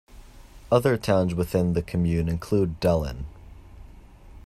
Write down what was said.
Other towns within the commune include Dellen.